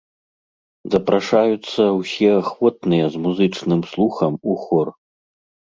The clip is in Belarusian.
Запрашаюцца ўсе ахвотныя з музычным слыхам у хор.